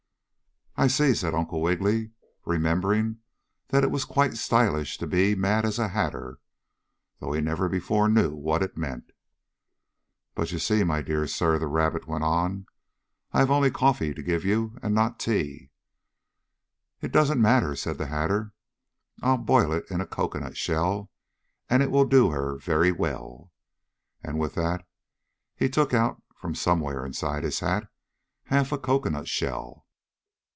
"I see," said Uncle Wiggily, remembering that it was quite stylish to be "as mad as a hatter," though he never before knew what it meant. "But you see, my dear sir," the rabbit went on, "I have only coffee to give you, and not tea." "It doesn't matter," said the Hatter. "I'll boil it in a cocoanut shell, and it will do her very well," and with that he took out, from somewhere inside his hat, half a cocoanut shell.